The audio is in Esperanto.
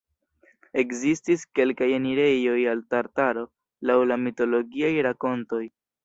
Ekzistis kelkaj enirejoj al Tartaro, laŭ la mitologiaj rakontoj.